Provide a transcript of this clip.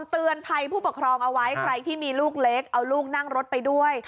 เตือนภัยผู้ปกครองเอาไว้ใครที่มีลูกเล็กเอาลูกนั่งรถไปด้วย